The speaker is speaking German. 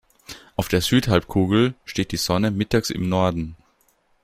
Auf der Südhalbkugel steht die Sonne mittags im Norden.